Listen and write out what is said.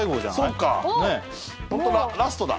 そっかホントだラストだ。